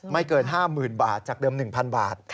เกิน๕๐๐๐บาทจากเดิม๑๐๐บาท